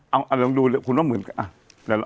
เอาลองดูเลยคุณว่าเหมือนกับอ่ะ